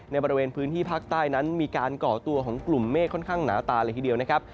บริเวณพื้นที่ภาคใต้นั้นมีการก่อตัวของกลุ่มเมฆค่อนข้างหนาตาเลยทีเดียวนะครับ